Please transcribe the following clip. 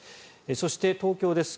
そして東京です。